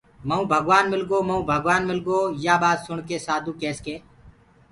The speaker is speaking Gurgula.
مئونٚ ڀگوآن مِلگو مئونٚ ڀگوآن مِلگو يآ ٻآت سُڻڪي سآڌوٚ ڪيس ڪي